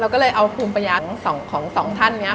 เราก็เลยเอาภูมิประยะของ๒ท่านเนี่ย